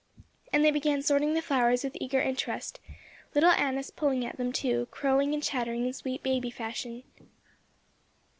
and they began sorting the flowers with eager interest, little Annis pulling at them too, crowing and chattering in sweet baby fashion.